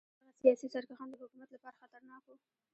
دغه سیاسي سرکښان د حکومت لپاره خطرناک وو.